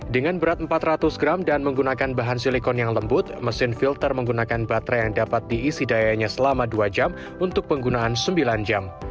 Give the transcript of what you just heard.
dengan berat empat ratus gram dan menggunakan bahan silikon yang lembut mesin filter menggunakan baterai yang dapat diisi dayanya selama dua jam untuk penggunaan sembilan jam